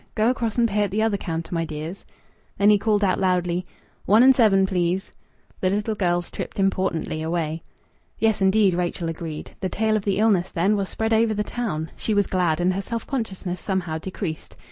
Go across and pay at the other counter, my dears." Then he called out loudly "One and seven, please." The little girls tripped importantly away. "Yes, indeed," Rachel agreed. The tale of the illness, then, was spread over the town! She was glad, and her self consciousness somehow decreased.